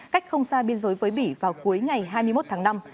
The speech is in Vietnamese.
cách không xa biên giới với bỉ vào cuối ngày hai mươi một tháng năm